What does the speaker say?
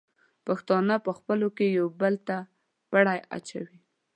پښتانه په خپلو کې یو بل ته پړی اچوي.